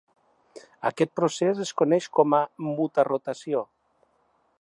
Aquest procés es coneix com mutarotació.